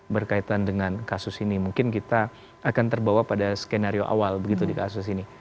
berkaitan dengan kasus ini mungkin kita akan terbawa pada skenario awal begitu di kasus ini